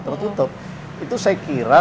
tertutup itu saya kira